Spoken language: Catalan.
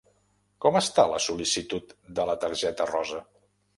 Com està la sol·licitud de la targeta rosa?